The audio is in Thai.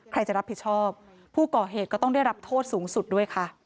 ใครจะรับผิดชอบผู้ก่อเหตุก็ต้องได้รับโทษสูงสุดด้วยค่ะ